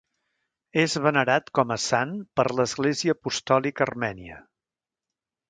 És venerat com a sant per l'Església Apostòlica Armènia.